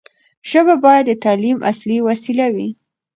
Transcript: ژبه باید د تعلیم اصلي وسیله وي.